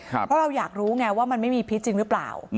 เพราะเราอยากรู้ไงว่ามันไม่มีพิษจริงหรือเปล่า